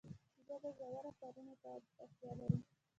ژبه ژورو کارونو ته اړتیا لري.